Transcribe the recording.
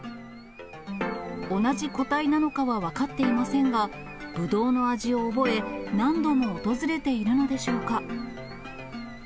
同じ個体なのかは分かっていませんが、ブドウの味を覚え、何度も訪れているのでしょうか。